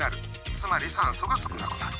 つまり酸素が少なくなる。